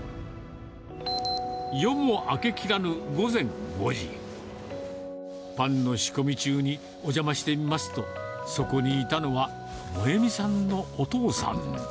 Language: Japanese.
夜も明けきらぬ午前５時、パンの仕込み中にお邪魔してみますと、そこにいたのは、萌実さんのお父さん。